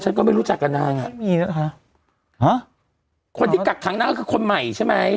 ไม่มีนะคะควรจะอยู่หลังจากนางอ่ะคนที่กัดขังนางอะคือคนใหม่ใช่ไหม